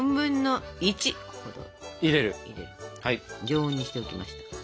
常温にしておきましたから。